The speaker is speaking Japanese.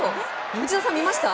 内田さん、見ました？